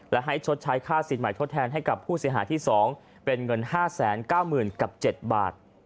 และให้ชดใช้ค่าสินใหม่ทดแทนให้กับผู้เสียหายที่๒เป็นเงิน๕๙๐๐๐กับ๗บาท